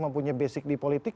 mempunyai basic di politik